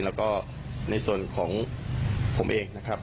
แล้วก็ในส่วนของผมเองนะครับ